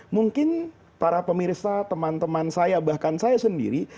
mungkin para pemirsa teman teman saya bahkan saya sendiri